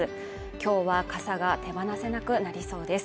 今日は傘が手放せなくなりそうです